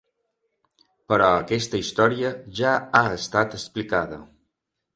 Però aquesta història ja ha estat explicada.